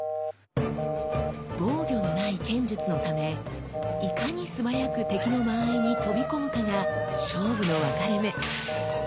防御のない剣術のためいかに素早く敵の間合いに飛び込むかが勝負の分かれ目。